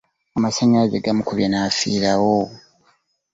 Amassanyalaze gamukubye nafirawo.